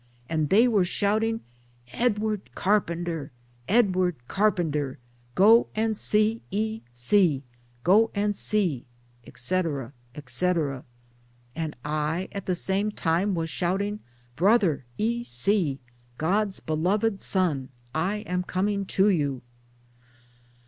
], and they were shouting 'Edward Carpenter, 'Edward Carpenter, go and see E. C., go and see, etc., etc. And I at the same time was shouting 'Brother E. C. God's beloved Son, I am earning to you."